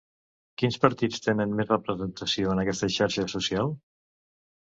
Quins partits tenen més representació en aquesta xarxa social?